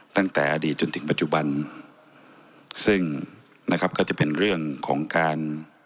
ตั้งแต่อดีตจนถึงปัจจุบันซึ่งนะครับก็จะเป็นเรื่องของการ